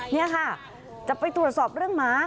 นี่ค่ะจะไปตรวจสอบเรื่องหมา